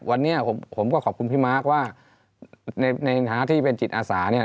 วันนี้ผมก็ขอบคุณพี่มาร์คว่าในฐานะที่เป็นจิตอาสาเนี่ย